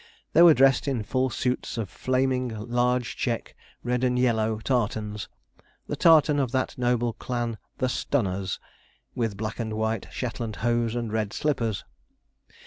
They were dressed in full suits of flaming large check red and yellow tartans, the tartan of that noble clan the 'Stunners,' with black and white Shetland hose and red slippers.